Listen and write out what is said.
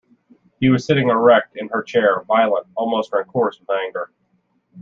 He was sitting erect in her chair, violent, almost rancorous with anger.